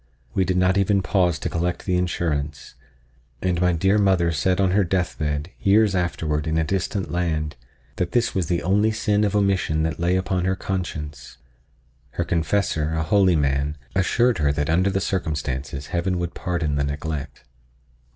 We did not even pause to collect the insurance, and my dear mother said on her death bed, years afterward in a distant land, that this was the only sin of omission that lay upon her conscience. Her confessor, a holy man, assured her that under the circumstances Heaven would pardon the neglect.